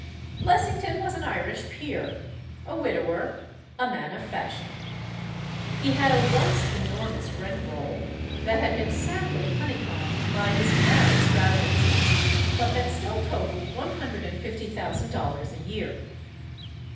Blessington was an Irish peer, a widower, a man of fashion. He had a once enormous rent roll, that had been sadly honeycombed by his mad extravagances, but that still totaled one hundred and fifty thousand dollars a year.